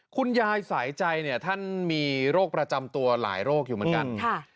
คุณยายสายใจเนี่ยท่านมีโรคประจำตัวหลายโรคอยู่เหมือนกัน